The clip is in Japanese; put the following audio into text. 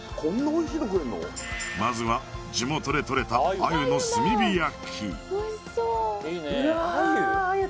まずは地元でとれた鮎の炭火焼うわ鮎？